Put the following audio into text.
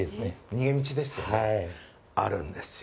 逃げ道ですよね、あるんですよ。